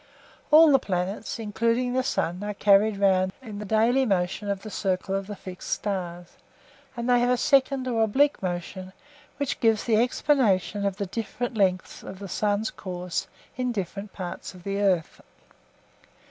All the planets, including the sun, are carried round in the daily motion of the circle of the fixed stars, and they have a second or oblique motion which gives the explanation of the different lengths of the sun's course in different parts of the earth.